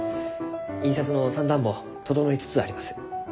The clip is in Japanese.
印刷の算段も整いつつあります。